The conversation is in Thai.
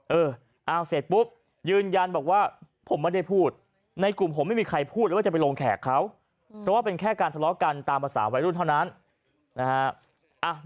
เออเอาเสร็จปุ๊บยืนยันบอกว่าผมไม่ได้พูดในกลุ่มผมไม่มีใครพูดเลยว่าจะไปลงแขกเขาเพราะว่าเป็นแค่การทะเลาะกันตามภาษาวัยรุ่นเท่านั้นนะฮะ